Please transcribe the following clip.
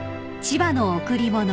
［『千葉の贈り物』］